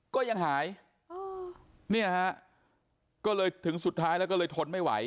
ก็ยังหายเนี่ยฮะก็เลยถึงสุดท้ายแล้วก็เลยทนไม่ไหว